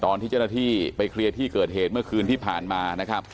ตอนที่เจ้าหน้าที่ไปเคลียร์ที่เกิดเหตุเมื่อคืนที่ผ่านมานะครับ